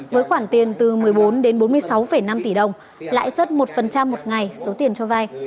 với khoản tiền từ một mươi bốn đến bốn mươi sáu năm tỷ đồng lãi suất một một ngày số tiền cho vay